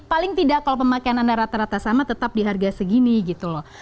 paling tidak kalau pemakaian anda rata rata sama tetap di harga segini gitu loh